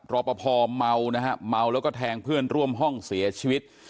รอปภเมานะฮะเมาแล้วก็แทงเพื่อนร่วมห้องเสียชีวิต